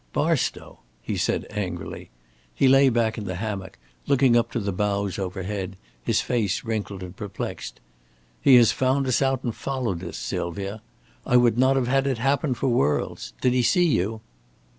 "Barstow!" he said angrily. He lay back in the hammock, looking up to the boughs overhead, his face wrinkled and perplexed. "He has found us out and followed us, Sylvia. I would not have had it happen for worlds. Did he see you?"